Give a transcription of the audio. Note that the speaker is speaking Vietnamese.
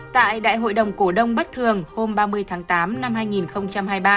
tại đại hội đồng cổ đông bất thường hôm ba mươi tháng tám năm hai nghìn hai mươi ba